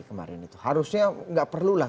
kemarin itu harusnya gak perlu lah